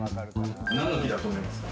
何の木だと思いますか？